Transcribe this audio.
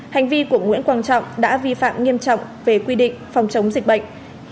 hành vi của nguyễn quang trọng đã vi phạm nghiêm trọng về quy định phòng chống dịch bệnh